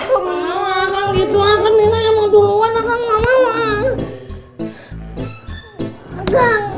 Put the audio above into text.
kamu malah akan dituakan ibu mau duluan akan malah